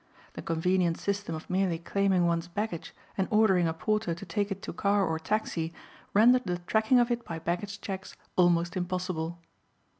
The convenient system of merely claiming one's baggage and ordering a porter to take it to car or taxi rendered the tracking of it by baggage checks almost impossible.